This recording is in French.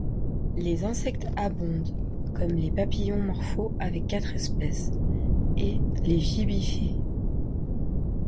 Les insectes abondent, comme les papillons morpho avec quatre espèces, et les gibbifer.